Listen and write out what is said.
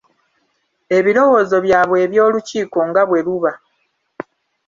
Ebirowoozo byabwe eby'olukiiko nga bwe luba.